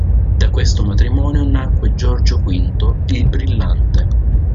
Da questo matrimonio nacque Giorgio V il Brillante.